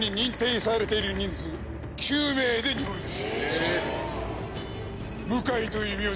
そして。